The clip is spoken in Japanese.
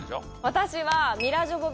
私は。